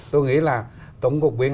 tôi nghĩ là tổng cục biển